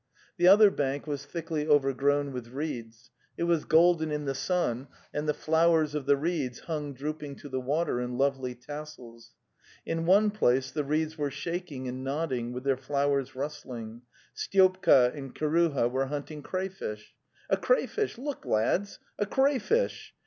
The other bank was thickly overgrown with reeds; it was golden in the sun, and the flowers of the reeds hung drooping to the water in lovely tassels. In one place the reeds were shaking and nodding, with their flowers rustling — Styopka and Kiruha were hunting crayfish. '"A crayfish, look, lads! A crayfish!"